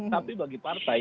tapi bagi partai